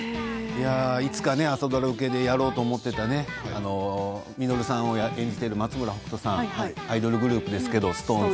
いつかね朝ドラ受けでやろうと思っていた稔さんを演じている松村北斗さんアイドルグループですけれどＳｉｘＴＯＮＥＳ